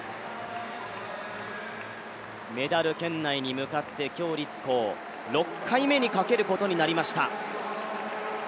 メダル圏内に向かって鞏立コウ６回目にかけることになりました。